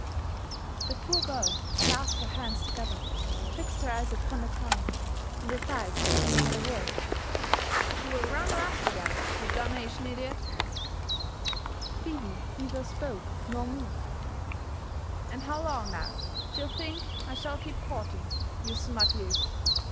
The poor girl clasped her hands together, fixed her eyes upon the ground, and replied not a word. You will run rusty, then, youdarnation idiot?'* Phebe neither spoke nor moved. *' And how long, now, d'ye think I shall keep courting, you smut you?